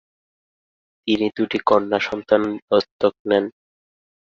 তিনি দুটি কন্যা সন্তান দত্তক নেন।